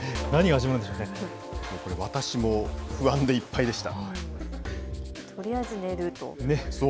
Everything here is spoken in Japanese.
これ、私も不安でいっぱいでした。